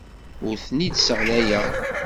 Ur ten-id-sseɣlayeɣ.